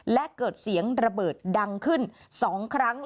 และเกิดเสียงระเบิดดังขึ้น๒ครั้ง